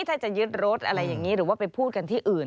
ถ้าจะยึดรถอะไรอย่างนี้หรือว่าไปพูดกันที่อื่น